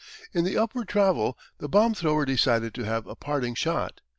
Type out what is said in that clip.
In the upward travel the bomb thrower decided to have a parting shot.